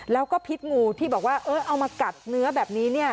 แล้วก็พิษงูที่บอกว่าเอามากัดเนื้อแบบนี้